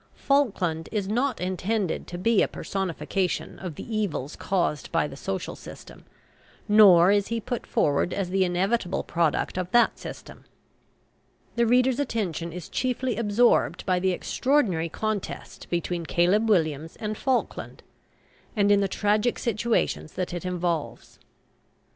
Falkland is not intended to be a personification of the evils caused by the social system, nor is he put forward as the inevitable product of that system. The reader's attention is chiefly absorbed by the extraordinary contest between Caleb Williams and Falkland, and in the tragic situations that it involves.